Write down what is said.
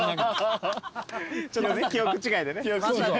ちょっとね記憶違いでね。